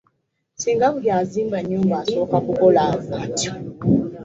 Ssinga buli azimba ennyumba asooka kukola atyo!